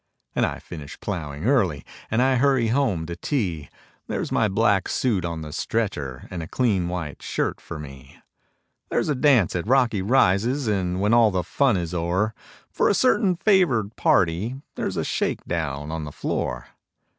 And I finish ploughing early, And I hurry home to tea There's my black suit on the stretcher, And a clean white shirt for me; There's a dance at Rocky Rises, And, when all the fun is o'er, For a certain favoured party There's a shake down on the floor.